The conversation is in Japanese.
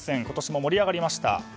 今年も盛り上がりました。